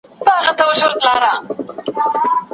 خدای مي دي ملګرو په دې لویه ګناه نه نیسي